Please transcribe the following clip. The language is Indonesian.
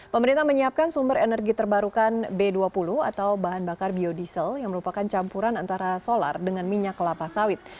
pemerintah menyiapkan sumber energi terbarukan b dua puluh atau bahan bakar biodiesel yang merupakan campuran antara solar dengan minyak kelapa sawit